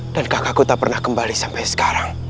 dan kakakku tak pernah kembali sampai sekarang